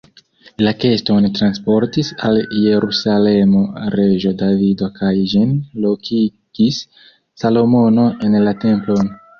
La keston transportis al Jerusalemo reĝo Davido kaj ĝin lokigis Salomono en la templon.